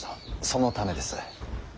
そのためです。